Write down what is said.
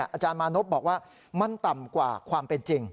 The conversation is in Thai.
อาจารย์มานพบอกว่ามันต่ำกว่าความเป็นจริง